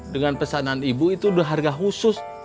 dengan pesanan ibu itu harga khusus